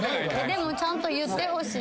でもちゃんと言ってほしい。